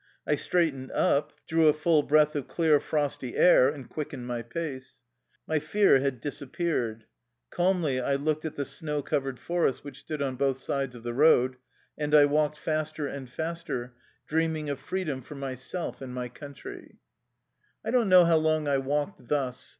I straightened up, drew a full breath of clear, frosty air, and quickened my pace. My fear had disappeared. Calmly I looked at the snow covered forest which stood on both sides of the road, and I walked faster and faster, dreaming of freedom for myself and my country. 114 THE LIFE STORY OF A RUSSIAN EXILE I don't know how long I walked thus.